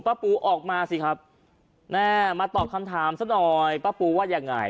ปูออกมาสิครับแม่มาตอบคำถามซะหน่อยป้าปูว่ายังไง